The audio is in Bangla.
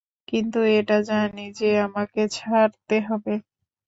কিন্তু এটা জানি যে আমাকে ছাড়তে হবে।